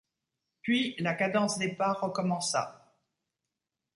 Puis, la cadence des pas recommença.